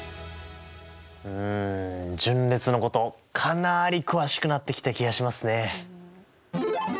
うん順列のことかなり詳しくなってきた気がしますね。